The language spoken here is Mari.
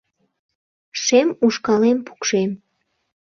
- Шем ушкалем пукшем.